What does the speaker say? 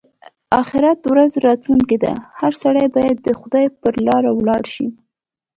د اخيرت ورځ راتلونکې ده؛ هر سړی باید د خدای پر لاره ولاړ شي.